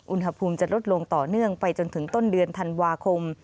อุณหภูมิจะลดลงต่อเนื่องไปจนถึงต้นเดือนธันวาคม